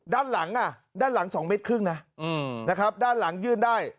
ด้านหลังอ่ะด้านหลัง๒เมตรครึ่งนะนะครับด้านหลังยื่นได้